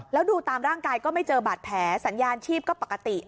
แล้วดูตามร่างกายก็ไม่เจอบาดแผลสัญญาณชีพก็ปกติ